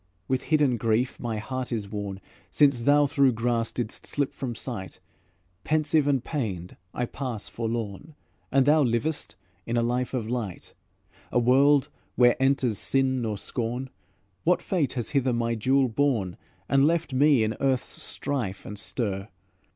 With hidden grief my heart is worn. Since thou through grass didst slip from sight, Pensive and pained, I pass forlorn, And thou livest in a life of light, A world where enters sin nor scorn. What fate has hither my jewel borne, And left me in earth's strife and stir?